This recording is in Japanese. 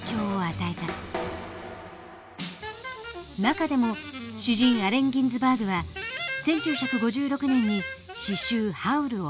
中でも詩人アレン・ギンズバーグは１９５６年に詩集「ＨＯＷＬ」を発表。